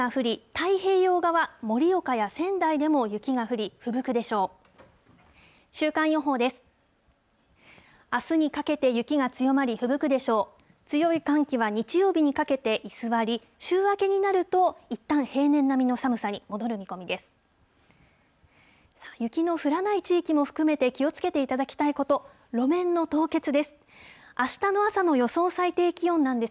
雪の降らない地域も含めて、気をつけていただきたいこと、路面の凍結です。